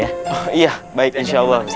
oh iya baik insya allah